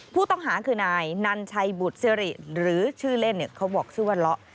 ผู้ต้องหาคือนายนันชัยบุตรสิริหรือชื่อเล่นเขาบอกชื่อว่าเลาะ